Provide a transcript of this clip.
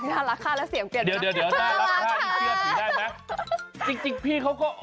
น่ารักค่ะแล้วเสียงเกลียดมาก